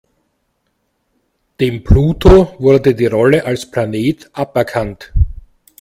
Dem Pluto wurde die Rolle als Planet aberkannt.